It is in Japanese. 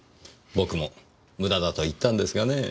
僕も無駄だと言ったんですがねぇ。